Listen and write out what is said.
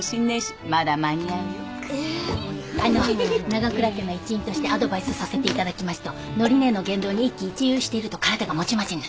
長倉家の一員としてアドバイスさせていただきますと典姉の言動に一喜一憂していると体が持ちませんので。